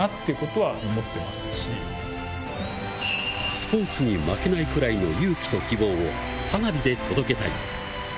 スポーツに負けないくらいの勇気と希望を花火で届けたい。